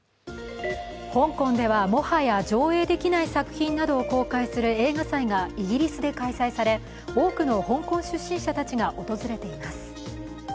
香港ではもはや上映できない作品などを公開する映画祭がイギリスで開催され多くの香港出身者たちが訪れています。